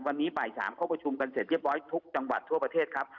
วันนี้บ่าย๓เข้าประชุมกันเสร็จเรียบร้อยทุกจังหวัดทั่วประเทศครับ